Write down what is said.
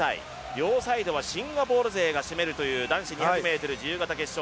両サイドはシンガポール勢が占めるという男子２００ｍ自由形決勝。